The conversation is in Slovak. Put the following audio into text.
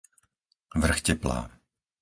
Vrchteplá